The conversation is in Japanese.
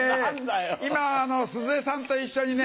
今鈴江さんと一緒にね